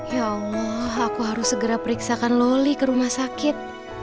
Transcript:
ya allah aku harus segera periksakan loli ke rumah sakit